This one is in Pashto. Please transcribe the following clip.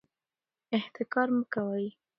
احتکار مه کوئ.